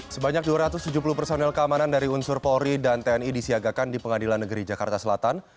sebanyak dua ratus tujuh puluh personel keamanan dari unsur polri dan tni disiagakan di pengadilan negeri jakarta selatan